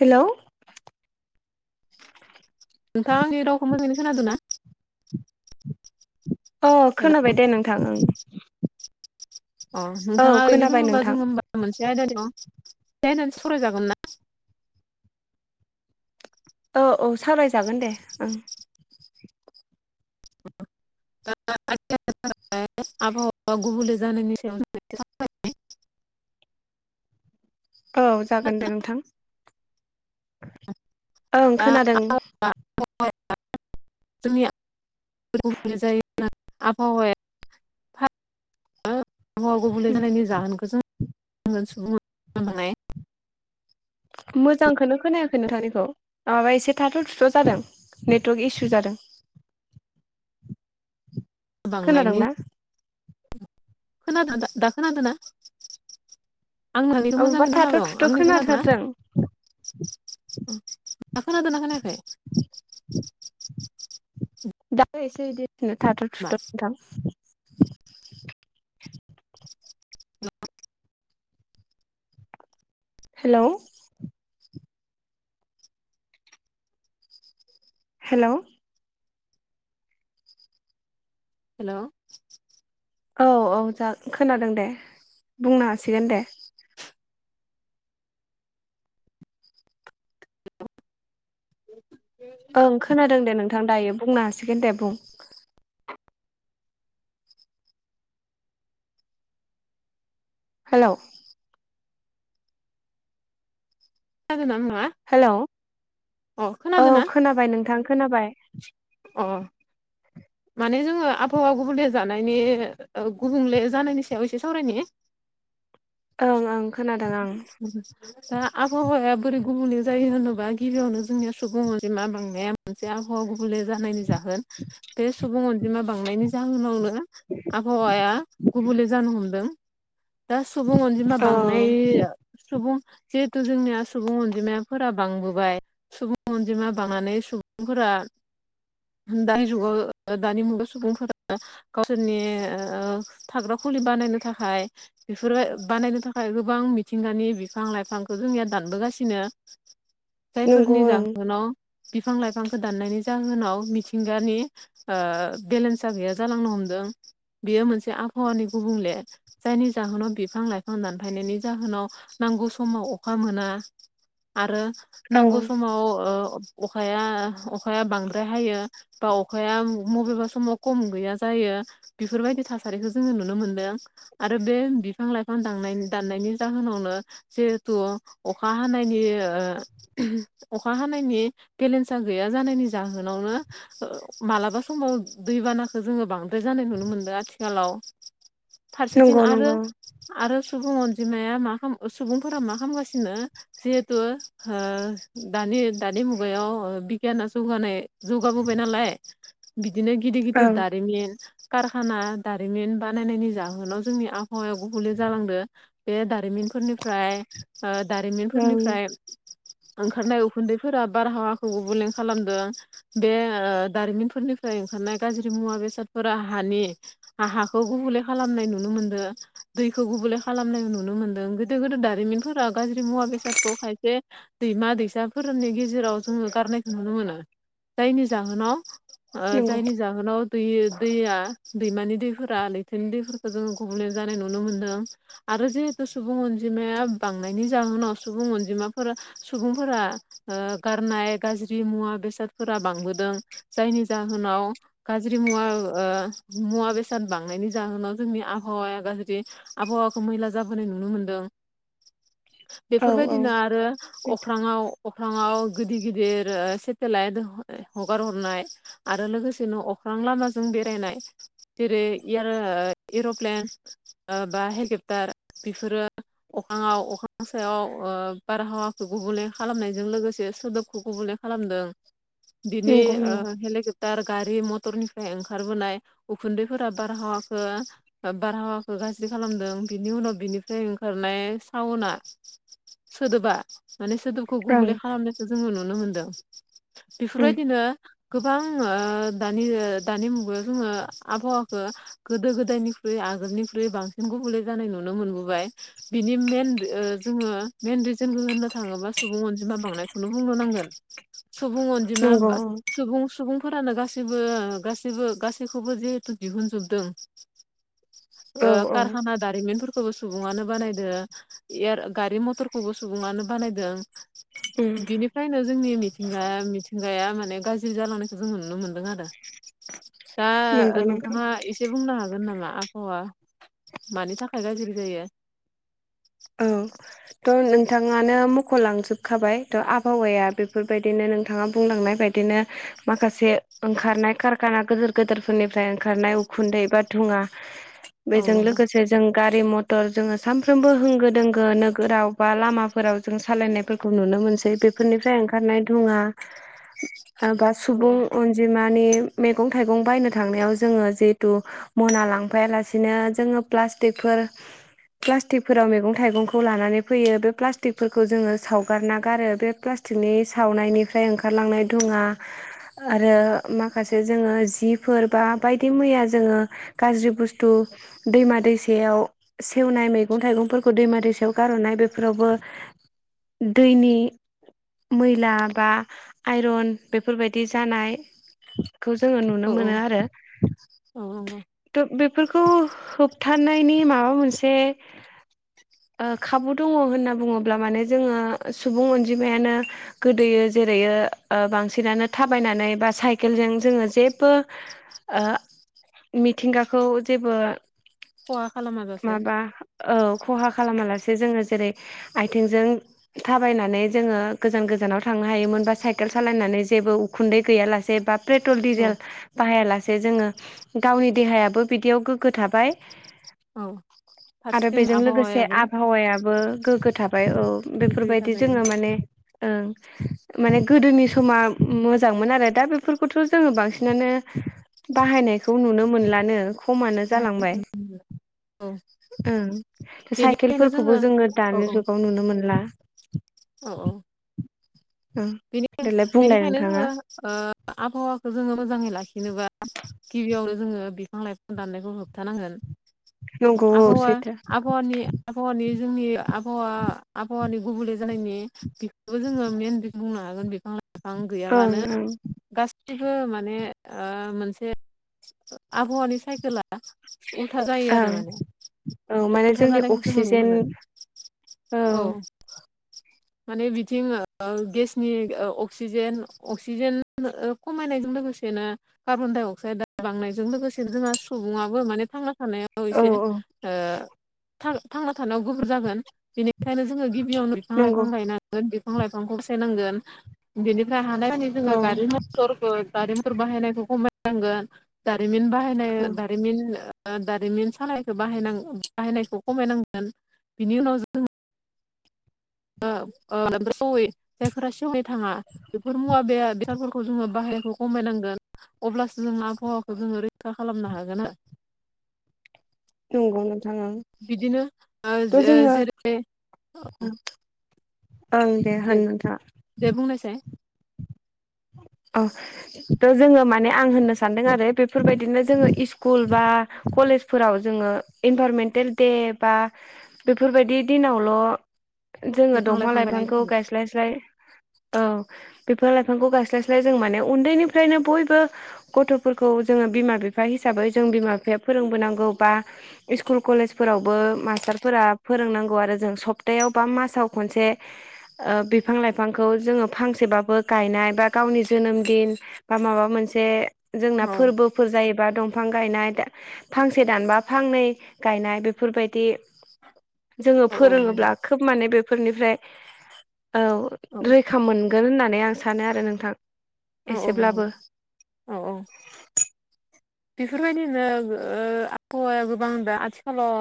Hello. नोंथाङा आंनि रावखौ मोजाङै खोनादोंना? अ हेल' खोनाबाय दे नोंथां ओं। अ औ नोंथाङा ओरैनो खोनाबाय दोङोबा नोंथां जोङो होमबा मोनसे आयदाानियाव [inaudible] औ औ सावरायजागोन दे ओं। [inaudible] [inaudible] आबहावा गुबुले जानायनि सायाव [inaudible] औ जागोन दे नोंथां। ओं खोनादों। [inaudible] जोंनिया [inaudible] आबहावाया आबहावा गुबुंले जानायनि जाहोनखौ जोङो सुबुं [inaudible] मोजांखोनो खोनायाखै नोंथांनिखौ माबा एसे थाथ' थुथ' जादों। नेटवार्क इसु जादों। बांनायनि खोनादोंना खोनादों दा खोनादों ना? आं नोंनिखौ अबेबा मोजाङै थाथ' खोनादं। थुथ' आंनिखो खोनादों ना? खोनाथारदों दा खोनादोना खोनायाखै? दाबो एसे इदिनो थाथ' मा थुथ' नोंथां। [inaudible] हेलौ। हेल' हेल' औ औ जा खोनादों दे बुंनो हासिगोन दे। [inaudible] ओं खोनादों दे नोंथां दायो बुंनो हासिगोन दे बुं। हेलौ [unintelligible] हेलौ अ औ खोनादों ना? खोनाबाय नोंथां खोनाबाय। अ माने जोङो आबहावा गुबुंले जानायनि ओ गुबुंले जानायनि सायाव एसे सावरायनि। ओं ओं खोनादों आं। दा आबहावाया बोरै गुबुंले जायो होनोबा गिबियावनो जोंनिया सुबुं अनजिमा बांनाया मोनसे आबहावा गुबुंले जानायनि जाहोन बे सुबुं अनजिमा बांनायनि जाहोनावनो आबहावाया गुबुंले जानो हमदों दा सुबुं अनजिमा बांनाय औ सुबुं जिहेतु जोंनिया सुबुं अनजिमायाफोरा बांबोबाय। सुबुं अनजिमा बांनानै सुबुंफोरा दानि जुगाव ओ दानि मुगायाव सुबुंफोरा गावसोरनि ओ थाग्रा खुलि बानायनो थाखाय बेफोरबाय बानायनो थाखाय गोबां मिथिंगानि बिफां लाइफांखौ जोंनिया दानबोगासिनो। [inaudible] जायफोरनि ओं जाहोनाव बिफां लाइफांखौ दाननायनि जाहोनाव मिथिंगानि ओ बेलेन्सा गैया जालांनो हमदों बेयो मोनसे आबहावानि गुबुंले जायनि जाहोनाव बिफां लाइफां दानफायनायनि जाहोनाव नांगौ समाव अखा मोना। आरो औ नांगौ समाव ओ अखाया अखाया बांद्राय हायो बा अख खाया उम मबेबा समाव कम गैया जायो बेफोरबायदि थासारिखो जोङो नुनो मोनदों। आरो बे बिफां -लाइफां दांनाय [unintelligible] दाननायनि जाहोनावनो जिहेथु अखा हानायनि ओ [unintelligible] अखा हानायनि बेलेन्सा गैया जानायनि जाहोनावनो ओ मालाबा समाव दैबानाखो जोङो बांद्राय जानाय नुनो मोनदो आथिखालाव। फारसेथिं नंगौ आरो नंगौ आरो सुबुं अनजिमाया मा खाम ओ सुबुंफोरा मा खामगासिनो जिहेतु हो दानि दानि मुगायाव ओ बिगियाना जौगानाय जौगाबोबाय नालाय बिदिनो गिदिर औ गिदिर दारिमिन कारखाना दारिमिन बानायनायनि जाहोनाव जोंनि आबहावाया गुबले जालांदो बे दारिमिनफोरनिफ्राय ओ ओं दारिमिनफोरनिफ्राय ओंखारनाय उखुन्दैफोरा बारहावाखौ गुबुले खालामदों बे ओ दारिमिनफोरनिफ्राय ओंखारनाय गाज्रि मुवा बेसादफोरा हानि आ हाखौ गुबुले खालामनाय नुनो मोनदो दैखौ गुबुले खालामनाय नुनो मोन्दों गोदो गोदो दारिमिनफोरा गाज्रि मुवा बेसादखौ खायसे दैमा -दैसाफोरनि गेजेराव जोङो गारनायखौ नुनो मोनो जायनि जाहोनाव ओ नंगौ जायनि जाहोनाव दैयो दैया दैमानि दैफोरा लैथोनि दैफोरखो जोङो गुबुंले जानाय नुनो मोन्दों। आरो जिहेतु सुबुं अनजिमाया बांनायनि जाहोनाव सुबुं अनजिमाफोरा सुबुंफोरा ओ गारनाय गाज्रि मुवा बेसादफोरा बांबोदों। जायनि जाहोनाव गाज्रि मुवा ओ मुवा बेसाद बांनायनि जाहोनाव जोंनि आबहावाया गाज्रि आबहावाखौ मैला जाबोनाय नुनो मोन्दों। औ औ बेफोरबायदिनो आरो अख्राङाव अख्राङाव गिदि गिदिर ओ सेटेलाइट [unintelligible] हगार हरनाय आरो लोगोसेनो अख्रां लामाजों बेरायनाय जेरै इयाल ओ एर'प्लेन ओ बा हेलिप्टार बेफोरो अखाङाव अखां सायाव ओ बारहावाखौ गुबुले खालामनायजों लोगोसे सोदोबखौ गुबुले खालामदों बिनि नंगौ ओ नंगौ हेलिकेप्टार गारि मटरनिफ्राय ओंखारबोनाय उखुन्दैफोरा बारहावाखो ओ बारहावाखो गाज्रि खालामदों बिनि उनाव बिनिफ्राय ओंखारनाय साउआ सोदोबा माने सोदोब खौ ओं गुबुले खालामनायखौ जोङो नुनो मोनदों उम बेफोरबायदिनो गोबां ओ दानि ओ दानि मुगायाव जोङो आबहावाखो गोदो गोदायनिख्रुइ आगोलनिख्रुइ बांसिन गुबुले जानाय नुनो मोनबोबाय। बिनि मेन ओ जोङो मेन रिजोनखो होननो थाङोबा सुबुं अनजिमा बांनायखौनो बुंनो नांगोन। सुबुं अन्जिमा नंगौ बा औ सुबुं सुबुंफोरानो गासैबो ओ गासैबो गासैखौबो जिहेतु दिहुनजोबदों ओ औ कारहाना दारिमिनफोरखौबो सुबुङानो बानायदो। इयार गारि मटरखौबो सुबुङानो बानायदों। उम बेनिफ्रायनो जोंनि मिथिंगाया मिथिंगाया माने गाज [unintelligible] जालांनायखौ जों नुनो मोनदों आरो दा ओ नंगौ नोंथां नोंथाङा एस से बुंनो हागोन नामा? आबहावा मानि थाखाय गाज्रि जायो औ। त' नोंथाङानो मख'लांजोबखाबाय त' आबहावाया बेफोरबायदिनो नोंथाङा बुंलांनाय बायद दिनो माखासे ओंखारनाय कारकाना गोदोर गोदोरफोरनिफ्राय ओंखारनाय उखुन्दै बा धुङा औ बेजों नंगौ लोगोसे जों गारि मटर जोङो सानफ्रोमबो हों [unintelligible] गो दोंगो नोगोराव बा लामाफोराव जों सालायनायफोरखौ नुनो मोनसै बेफोरनिफ्राय ओंखारनाय दुङा ओ बा औ सुबुं अनजिमानि मैगं थाइगं बायनो थांनायाव जोङो जिहेतु मना लांफायालासिनो जोङो प्लास्टिफोर फ्लास्टिक फोराव मैगं थाइगंखौ लानानै फैयो बे प्लास्टिकफोरखौ जोङो सावगारना गारो बे प्लास्टिकनि सावनायनि जाय ओंखारलांनाय धुङा आरो माखासे जोङो जिब फोर बा बायदि मैया जोङो गाज्रि बुस्थु दैमा दैसेायाव सेवनाय मैगं थाइगंफोरखौ दैमा दैसायाव गारह'नाय बेफोरावबो दैनि मैला बा आइरन बेफोरबायदि जानाय खौ जोङो औ नुनो मोनो औ आरो। औ नंगौ। थ' बेफोरखौ होबथनायनि माबा मोनसे खाबु दङ होनना बुङोब्ला माने जोङो सुबुं अनजिमायानो गोदोयो जेरैयो बांसिनानो थाबायनानै बा साइकेलजों जोङो जेबो ओ मिथिंगाखौ जेबो खहा खालामाजासे माबा औ खहा खालामालासे जोङो जेरै आथिंजों थाबायनानै जोङो गोजान गोजानाव थांनो हायोमोन बा साइकेल सालायनानै जेबो उखुन्दै गैयालासे बा पेट्रल औ डिजेल बाहायालासे जोङो गावनि देहायाबो बिदियाव गोग्गो थाबाय। औ आरो फारसेथिं बेजों लोगोसे आबहावायाबो आबहावायाबो गोग्गो थाबाय औ। गोग्गोयै बेफोरबायदि थाबाय जोङो माने ओं माने गोदोनि समा मोजांमोन आरो दा बेफोरखौथ' जोङो बांसिनानो बाहायनायखौ नुनो मोनलानो खमानो जालांबाय [inaudible] ओं साइकेलफोरखौबो जोङो औ दानि जुगाव नुनो मोनला। औ औ। ओं देलाय बिनिखायनो बुंलाय बेनिखायनो नोंथाङा जोङो आबहावाखौ जोङो मोजाङै लाखिनोबा गिबियावनो जोङो बिफां लाइफां दाननायखौ होबथानांगोन नंगौ औ आबहावा सैथो आबहावानि आबहावानि जोंनि आबहावा आबहावानि गुबले जानायनि बेखौबो जोङो मेन बुंनो हागोन बिफां लाइफां ओं गैयाबानो ओं गासिबो माने ओ मोनसे आबहावानि साइकेला उल्था जायो आरो ओं औ माने उल्था जोंनि जानायखौ जों नुनो अक्सिजेन मोनो। औ माने बिथिं गेसनि अक्सिजेन अक्सिजेन खमायनायजों लोगोसेनो कार्बन डाइ अक्साइद बांनायजों लोगोसेनो जोंहा सुबुङाबो माने थांना थानायाव औ एसे औ ओ थां थांना थानायाव गोब्राब जागोन बेनिखायनो जोङो गि बियावनो बिफां लाइफां नंगौ गायनांगोन बिफां लाइफांखौ [inaudible] बिनि [inaudible] औ गारि मथरखौ गारि मथर बाहायनायखौ खमायनांगोन जारिमिन बा [inaudible] औ बिनि दारिमिन सालायखौ बाहायनायखौ खमायनांगोन बिनि उनाव जो [inaudible] जायफोरा सेवनो थाङा बेफोर मुवा बे बेसादफोरखौ जोङो बाहायनायखौ खमायनांगोन। अब्लासो जों आबहावाखौ जोङो रैखा खालामनो हागोन आ नंगौ नोंथाङा ओं बिदिनो थ' जोङो जेरै ओं दे होनबा। दे बुंनायसाय। अ थ' जोङो माने आं होननो सानदों आरो बेफोरबायदिनो जोङो इस्कुल बा कलेजफोराव जोङो इनभारमेन्टेल दे बा बेफोरबायदि दिनावल' जोङो बिफां दंफां लाइफां लाइफांखौ गायनाय गायस्लायस्लाय औ बेफोर बिफांखौ गायस्लायस्लाय जों माने उन्दैनिफ्रायनो बयबो गथ'फोरखौ जोङो बिमा बिफा हिसाबै जों बिमा बिफाया फोरोंबोनांगौ बा स्कुल कलेजफोरावबो मास्टारफोरा फोरोंनांगौ आरो जों सप्तायाव बा मासाव खनसे बिफां लाइफांखौ जोङो फांसेबाबो गायनाय बा गावनि जोनोम दिन बा माबा मोनसे जोंना औ फोरबो फोर जायोबा दंफां गायनाय फांसे दानबा फांनै गायनाय बेफोरबायदि जोङो औ औ नंगौ फोरोङोब्ला खोब माने बेफोरनिफ्राय औ रैखा मोनगोन होननानै आं सानो आरो नोंथां औ औ नंगौ एसेब्लाबो औ औ बेफोरबायदिनो आबहावाया गोबां दा आथिखालाव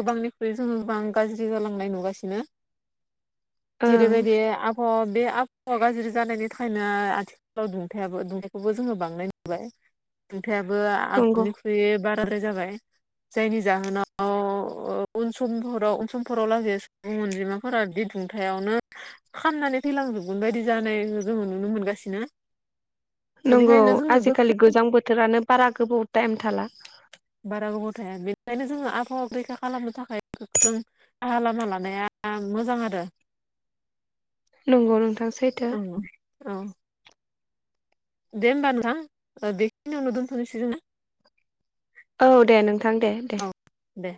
गोबांनि बे जब आं गाज्रि जालांनाय नुगासिनो [inaudible] जेरैबायदि आबहावा बे आबहावा गाज्रि जानायनि थाखायनो आथिखाल दुंथायखौबो जोङो बांनाय नुबाय दुंथायाबो नंगौ आगोलनि बे बाराद्राय जाबाय जायनि जाहोनाव उन समफोराव उन समफोराव लासै अनजिमाफोरा बि दुंथायावनो खाननानै थैलांजोबगोन बायदि जानायखौ जोङो नुनो मोनगासिनो नंगौ बेनिखायनो जोंनो आजिखालि गोजां बोथोरानो बारा गोबाव टाइम थाला बारा गोबाव थाया बेनिखायनो जोङो आबहावा रैखा खालामनो थाखाय गोख्रों राहा लामा लानाया मोजां आरो नंगौ नोंथां सैथो औ औ दे होमबा नोंथां ओ बेखिनिआवनो दोनथ'नोसै जों ना औ दे नोंथां दे दे औ दे